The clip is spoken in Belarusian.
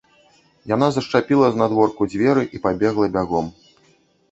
Яна зашчапіла знадворку дзверы і пабегла бягом.